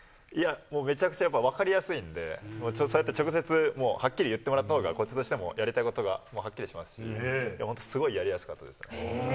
めちゃくちゃ分かりやすいんで、そうやって直接はっきり言ってもらったほうがこっちとしても、やりたいことがはっきりしますし、本当すごいやりやすかったです。